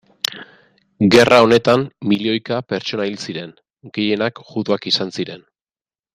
Gerra honetan milioika pertsona hil ziren, gehienak juduak izan ziren.